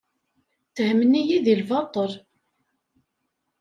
Ttehmen-iyi deg lbaṭel.